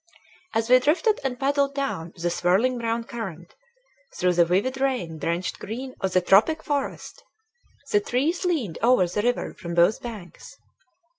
As we drifted and paddled down the swirling brown current, through the vivid rain drenched green of the tropic forest, the trees leaned over the river from both banks.